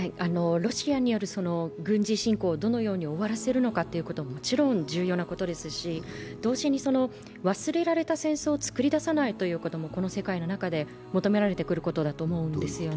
ロシアによる軍事侵攻をどのように終わらせるかってことはもちろん重要ですし同時に忘れられた戦争を作り出さないということもこの世界の中で求められてくることだと思うんですね。